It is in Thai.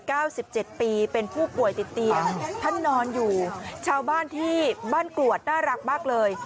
สิบเจ็ดปีเป็นผู้ป่วยติดเตียงท่านนอนอยู่ชาวบ้านที่บ้านกรวดน่ารักมากเลย